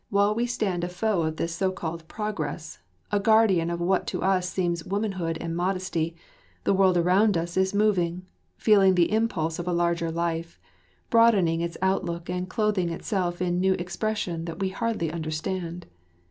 While we stand a foe of this so called progress, a guardian of what to us seems womanhood and modesty, the world around us is moving, feeling the impulse of a larger life, broadening its outlook and clothing itself in new expression that we hardly understand.